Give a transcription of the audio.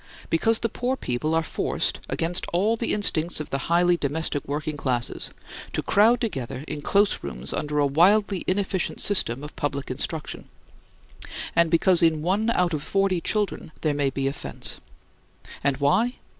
Because the poor children are forced (against all the instincts of the highly domestic working classes) to crowd together in close rooms under a wildly inefficient system of public instruction; and because in one out of the forty children there may be offense. And why?